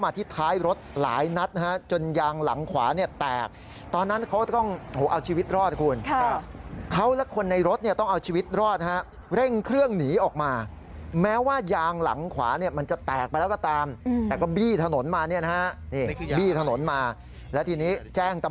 มาทิศท้ายรถหลายนัดจนยางหลังขวาเนี่ยแตกตอนนั้นเขาต้อง